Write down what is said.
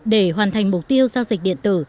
để hoàn thành mục tiêu giao dịch điện tử